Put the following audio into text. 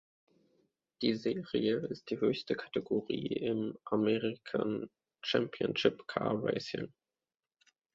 Die Serie ist die höchste Kategorie im American Championship Car Racing.